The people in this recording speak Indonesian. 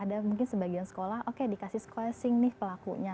ada mungkin sebagian sekolah oke dikasih squasing nih pelakunya